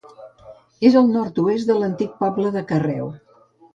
És al nord-oest de l'antic poble de Carreu.